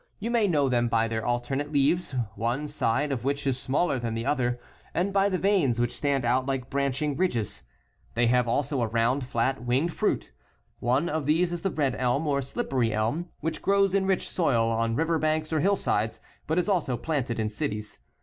You may know them by their alternate leaves, one side of which is smaller than the other, and by the veins which stand out tike branching ridges. I They have also a round, flat, winged fruit One of these is the red elm or slippery elm, which grows in rich soil ° ""C0F1.0BK11UH. ^^ j.jygj. fj^pjj^g Qj. hillsides, but is also planted in cities.